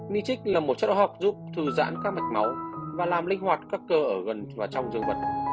michix là một chất hóa học giúp thư giãn các mạch máu và làm linh hoạt các cơ ở gần và trong dương vật